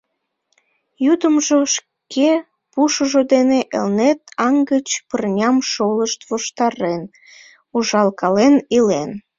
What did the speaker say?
Йӱдымжӧ, шке пушыжо дене Элнет аҥ гыч пырням шолышт воштарен, ужалкален илен.